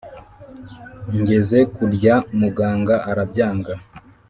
Ngeze-kurya mugaga arabyanga